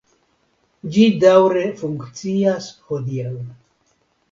Ĝi daŭre funkcias hodiaŭ.